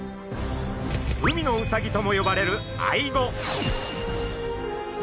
海のウサギとも呼ばれるアイゴ。